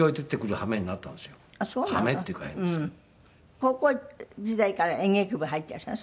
高校時代から演劇部入っていらしたの？